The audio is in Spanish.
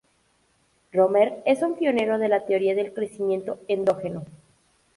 Romer es un pionero de la teoría del crecimiento endógeno.